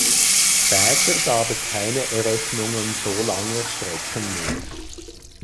Später gab es keine Eröffnungen so langer Strecken mehr.